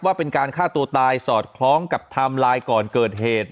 ว่าเป็นการฆ่าตัวตายสอดคล้องกับไทม์ไลน์ก่อนเกิดเหตุ